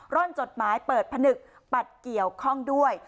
่อนจดหมายเปิดผนึกบัตรเกี่ยวข้องด้วย